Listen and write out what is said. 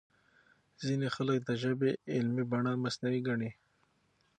ځينې خلک د ژبې علمي بڼه مصنوعي ګڼي.